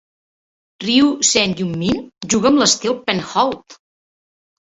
Ryu Seung-min juga amb l'estil penhold.